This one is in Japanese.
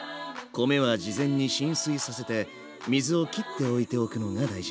米は事前に浸水させて水をきっておいておくのが大事。